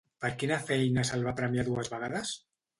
Per quina feina se'l va premiar dues vegades?